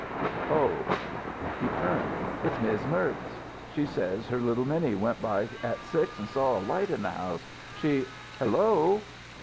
Oh." He turned: "It's Miz' Merz. She says her little Minnie went by at six and saw a light in the house. She Hello!